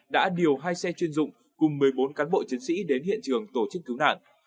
đã điều hai xe chuyên dụng cùng một mươi bốn cán bộ chiến sĩ đến hiện trường tổ chức cứu nạn